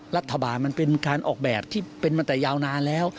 มันเป็นการออกแบบที่เป็นมาแต่ยาวนานแล้ว